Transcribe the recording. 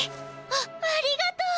あっありがとう！